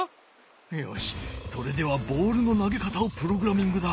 よしそれではボールの投げ方をプログラミングだ。